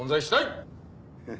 えっ。